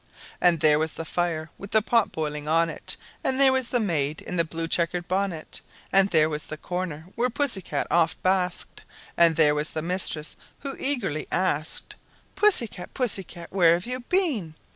And there was the fire, with the pot boiling on it, And there was the maid, in the blue checkered bonnet, And there was the corner where Pussy oft basked, And there was the mistress, who eagerly asked: _"Pussy cat, Pussy cat, where have you been?"